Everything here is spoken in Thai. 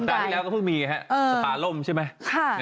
สัปดาห์ที่แล้วก็เพิ่งมีนะครับสภาลมใช่ไหม